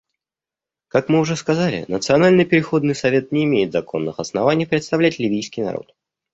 Как мы уже сказали, Национальный переходный совет не имеет законных оснований представлять ливийский народ.